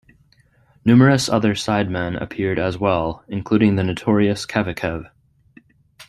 Numerous other sidemen appeared as well, including the notorious Kevekev.